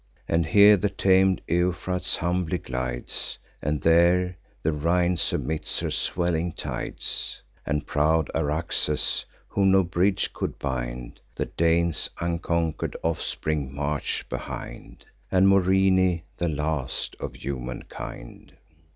And here the tam'd Euphrates humbly glides, And there the Rhine submits her swelling tides, And proud Araxes, whom no bridge could bind; The Danes' unconquer'd offspring march behind, And Morini, the last of humankind.